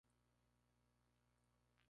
Los whigs del Norte se oponían a ella.